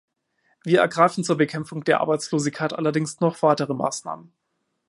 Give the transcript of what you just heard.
Wir ergreifen zur Bekämpfung der Arbeitslosigkeit allerdings noch weitere Maßnahmen.